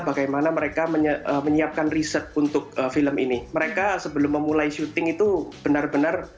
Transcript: bagaimana mereka menyiapkan riset untuk film ini mereka sebelum memulai syuting itu benar benar